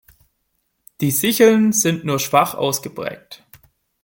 Die Sicheln sind nur schwach ausgeprägt.